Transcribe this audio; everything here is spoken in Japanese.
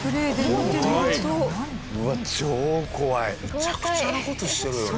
めちゃくちゃな事してるよね。